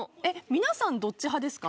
皆さんどっち派ですか？